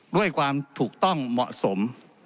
ด้วยความถูกต้องเหมาะสม